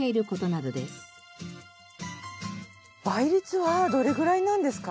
倍率はどれぐらいなんですか？